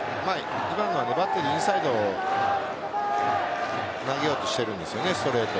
今のはバッテリーインサイド投げようとしているんですよねストレート。